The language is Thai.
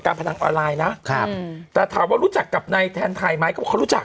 พนันออนไลน์นะครับแต่ถามว่ารู้จักกับนายแทนไทยไหมเขาบอกเขารู้จัก